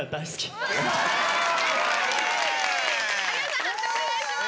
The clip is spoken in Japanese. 判定お願いします。